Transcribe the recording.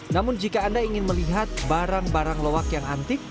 namun jika anda ingin melihat barang barang lowak yang antik